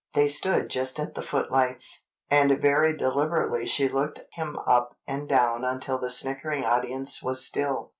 They stood just at the footlights, and very deliberately she looked him up and down until the snickering audience was still.